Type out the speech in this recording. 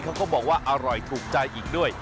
เขาก็บอกว่าอร่อยถูกใจอีกด้วย